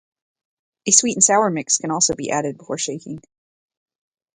A sweet and sour mix can also be added before shaking.